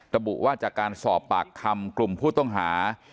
ระบุว่าจากการสอบปากคำกลุ่มผู้ต้องหา